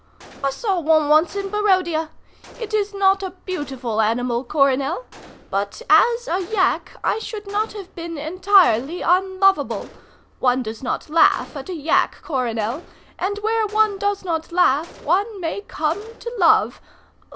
"I saw one once in Barodia. It is not a beautiful animal, Coronel; but as a yak I should not have been entirely unlovable. One does not laugh at a yak, Coronel, and where one does not laugh one may come to love.